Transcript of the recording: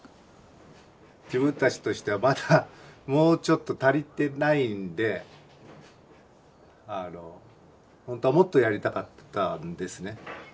自分たちとしてはまだもうちょっと足りてないんでほんとはもっとやりたかったんですね。